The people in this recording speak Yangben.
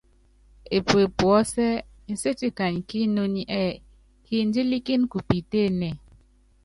Epue puɔ́sɛ́ nséti kanyi kí inoní ɛ́ɛ́: Kindílíkíni ku piitéénée.